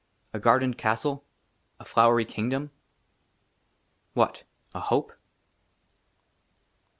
A GARDENED CASTLE ? A FLOWERY KINGDOM ? WHAT ? A HOPE